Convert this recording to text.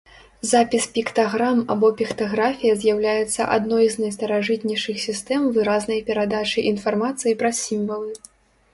Запіс піктаграм або піктаграфія з'яўляецца адной з найстаражытнейшых сістэм выразнай перадачы інфармацыі праз сімвалы.